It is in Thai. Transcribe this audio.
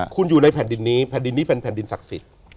คุณอยู่ในแผ่นดินนี้แผ่นดินนี้เป็นแผ่นดินศักดิ์สิทธิ์